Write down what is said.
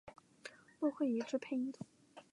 骆慧怡之配音组。